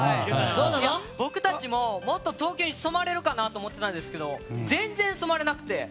僕たちももっと東京に染まれるかと思ってたんですけど全然染まれなくて。